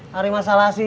hari masalah sih